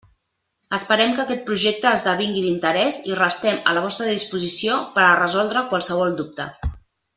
Esperem que aquest projecte esdevingui d'interès i restem a la vostra disposició per a resoldre qualsevol dubte.